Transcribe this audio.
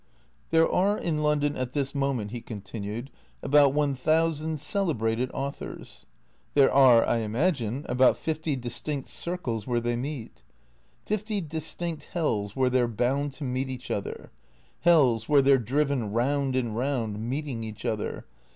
" There are in London at this moment," he continued, " about one thousand celebrated authors. There are, I imagine, about fifty distinct circles where they meet. Fifty distinct hells where they 're bound to meet each other. Hells where they 're driven round and round, meeting each other.